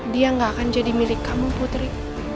dia gak akan jadi milik kamu putri